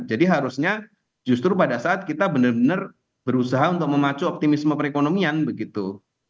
jadi harusnya justru pada saat kita benar benar berusaha untuk memacu optimisme perekonomian begitu